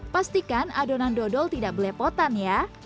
pastikan adonan dodol tidak belepotan ya